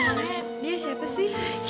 emangnya dia siapa sih